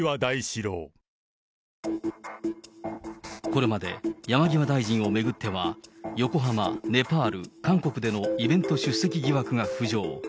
これまで山際大臣を巡っては、横浜、ネパール、韓国でのイベント出席疑惑が浮上。